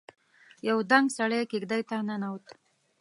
يو دنګ سړی کېږدۍ ته ننوت.